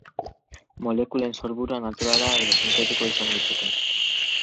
Molekulen sorburua naturala edo sintetikoa izan daiteke.